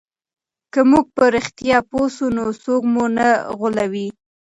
که موږ په رښتیا پوه سو نو څوک مو نه غولوي.